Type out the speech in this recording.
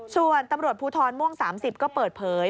ส่วนตำรวจภูทรม่วง๓๐ก็เปิดเผย